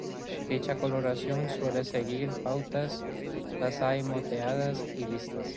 Dicha coloración suele seguir pautas: las hay moteadas y listadas.